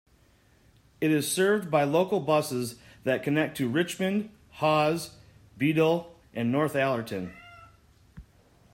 It is served by local buses that connect to Richmond, Hawes, Bedale and Northallerton.